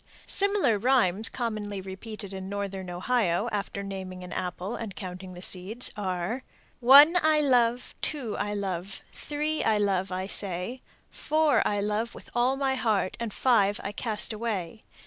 Similar rhymes commonly repeated in northern Ohio, after naming an apple and counting the seeds, are, One I love, Two I love, Three I love, I say. Four I love with all my heart, And five I cast away.